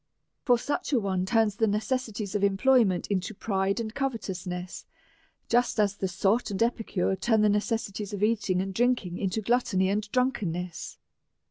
For such a one turns the necessities of employments into pride and covetousness, just as the sot and epicure turn the necessities of eating and drinking into glut tony and drunkenness.